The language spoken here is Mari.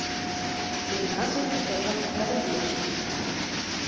Мемнан дене шыжым тыгай лиеш...